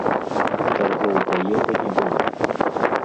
Таргоў па еўра не было.